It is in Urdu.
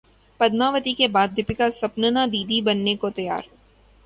پدماوتی کے بعد دپیکا سپننا دی دی بننے کو تیار